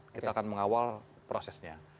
kita akan mengawal prosesnya